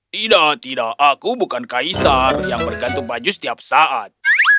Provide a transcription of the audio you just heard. tidak tidak aku bukan kaisar yang bergantung baju setiap saat